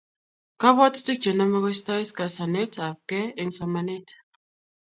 kapwatutik chenamei koistai kasanet ap kei eng somanet